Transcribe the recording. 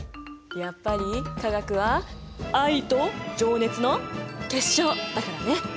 やっぱり化学は愛と情熱の結晶だからね！